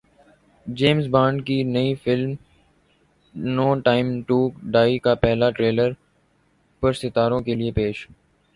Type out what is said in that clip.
James Bond کی نئی film no time to die کا پہلا ٹریلر پرستاروں کے لیے پیش